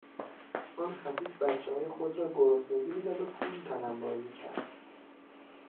آن خسیس بچههای خود را گرسنگی میداد و پول تلنبار می کرد.